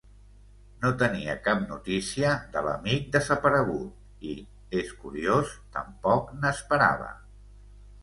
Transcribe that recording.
No tenia cap notícia de l'amic desaparegut i, és curiós, tampoc n'esperava.